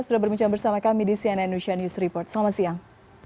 sudah berbincang bersama kami di cnn news report selamat siang